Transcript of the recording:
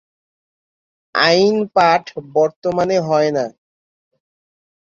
আইন পাঠ বর্তমানে হয়না।